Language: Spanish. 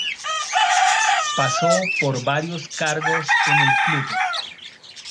Pasó por varios cargos en el club.